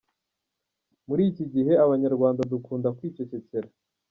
Muri iki gihe, abanyarwanda dukunda kwicecekera.